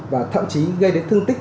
và thậm chí gây đến thương tích